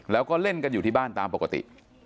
แล้วก็เล่นกันอยู่ที่บ้านตามปกติ